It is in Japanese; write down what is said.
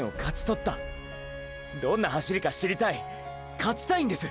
どんな走りか知りたい勝ちたいんです！！